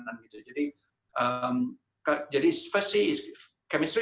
jadi pertama c adalah kemisi